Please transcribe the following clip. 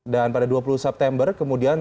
dan pada dua puluh september kemudian